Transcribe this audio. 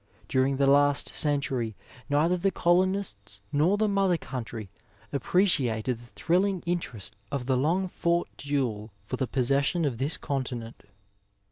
During the last centniy neither the colonists nor the mother country appreciated the thrilling interest of the long fought duel for the pos session of this continent.